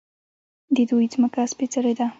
د دوی ځمکه سپیڅلې ده.